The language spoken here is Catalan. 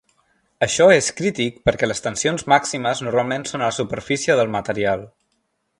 Això és crític perquè les tensions màximes normalment són a la superfície del material.